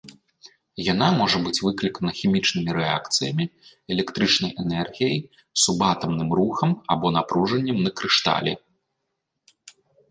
Яна можа быць выклікана хімічнымі рэакцыямі, электрычнай энергіяй, субатамным рухам або напружаннем на крышталі.